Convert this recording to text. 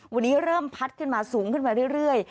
วันนี้เริ่มพัดขึ้นมาสูงขึ้นมาเรื่อย